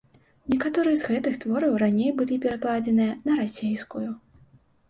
Некаторыя з гэтых твораў раней былі перакладзеныя на расейскую.